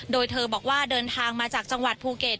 โดยเธอบอกว่าเดินทางมาจากจังหวัดภูเก็ต